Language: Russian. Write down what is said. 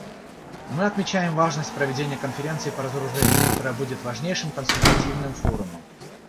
Мы отмечаем важность проведения конференции по разоружению, которая будет важнейшим консультативным форумом.